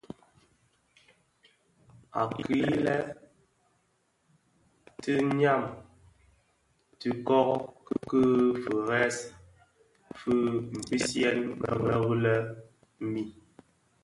Akilè le tinyamtis tyè kori ki firès fi pisiyèn merėli mii.